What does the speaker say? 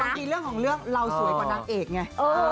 ทีเรื่องของเรื่องเราสวยกว่านางเอกไง